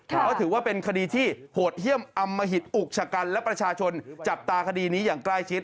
เพราะถือว่าเป็นคดีที่โหดเยี่ยมอำมหิตอุกชะกันและประชาชนจับตาคดีนี้อย่างใกล้ชิด